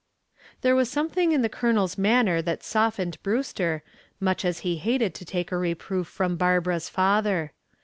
There was something in the Colonel's manner that softened Brewster, much as he hated to take a reproof from Barbara's father.